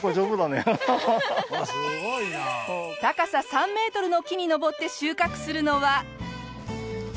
高さ３メートルの木に登って収穫するのは。